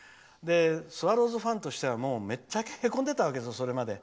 スワローズファンとしてはめっちゃへこんでたわけですよそれまで。